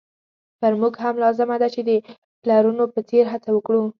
پر موږ هم لازمه ده چې د پلرونو په څېر هڅه وکړو.